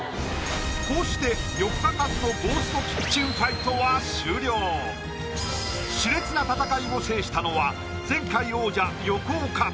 こうして４日間のゴーストキッチンファイトは終了熾烈な戦いを制したのは前回王者・横尾か？